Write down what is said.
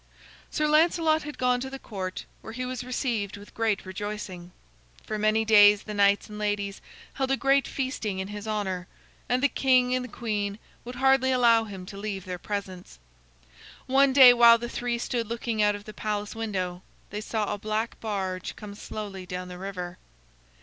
Sir Lancelot had gone to the Court, where he was received with great rejoicing. For many days the knights and ladies held great feasting in his honor, and the king and the queen would hardly allow him to leave their presence. One day while the three stood looking out of the palace window, they saw a black barge come slowly down the river.